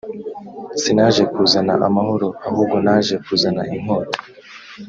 si naje kuzana amahoro ahubwo naje kuzana inkota